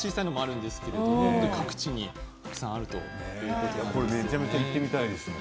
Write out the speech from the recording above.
各地にたくさんあるということです。